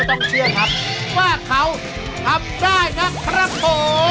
ไม่เชื่อก็ต้องเชื่อครับว่าเขาทำได้นะครับผม